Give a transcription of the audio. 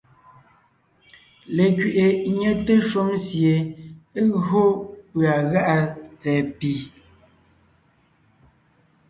Lekẅiʼi nyɛte shúm sie é gÿo pʉ̀a gá’a tsɛ̀ɛ pì,